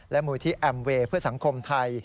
และมธอมเวเองท์สังคมไทย